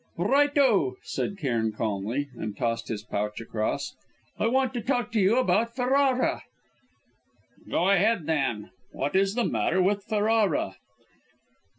"Right oh," said Cairn calmly, and tossed his pouch across. "I want to talk to you about Ferrara." "Go ahead then. What is the matter with Ferrara?"